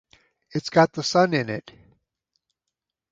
It's got the sun in it.